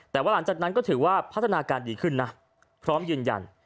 แต่ว่าหลังจากนั้นก็ถือว่าพัฒนาการดีขึ้นนะพร้อมยืนยัน